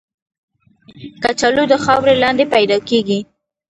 کچالو د خاورې لاندې پیدا کېږي